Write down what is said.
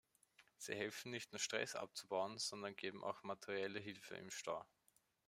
Sie helfen nicht nur Stress abzubauen, sondern geben auch materielle Hilfe im Stau.